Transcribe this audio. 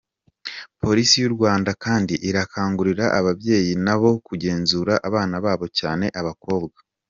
Polisi y’u Rwanda kandi, irakangurira ababyeyi nabo kugenzura abana babo, cyane ab’abakobwa.